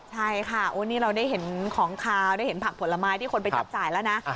ใช่ค่ะนี่เราได้เห็นของขาวได้เห็นผักผลไม้ที่คนไปจับจ่ายแล้วนะ